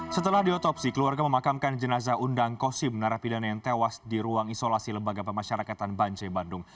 setelah diotopsi keluarga memakamkan jenazah undang kosim narapidana yang tewas di ruang isolasi lembaga pemasyarakatan bancai bandung